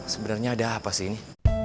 sebenarnya ada apa sih ini